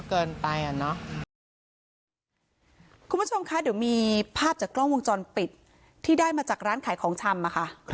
คุณผู้ชมคะเดี๋ยวมีภาพจากกล้องวงจรปิดที่ได้มาจากร้านขายของชำอะค่ะ